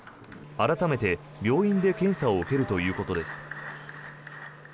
改めて病院で検査を受けるということです。